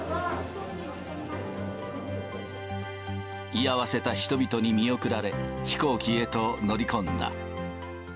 居合わせた人々に見送られ、飛行機へと乗り込んだ。